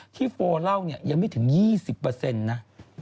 โฟเล่าเนี่ยยังไม่ถึง๒๐นะ